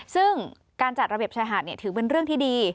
ซึ่งการจัดระเบียบชายหาดถือเป็นเรื่องที่ดี